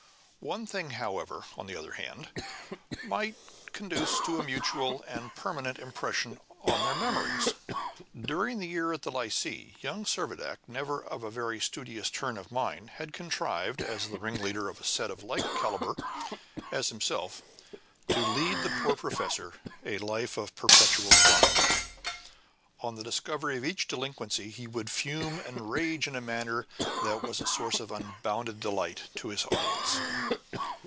One thing, however, on the other hand, might conduce to a mutual and permanent impression on their memories; during the year at the Lycee, young Servadac, never of a very studious turn of mind, had contrived, as the ringleader of a set of like caliber as himself, to lead the poor professor a life of perpetual torment. On the discovery of each delinquency he would fume and rage in a manner that was a source of unbounded delight to his audience.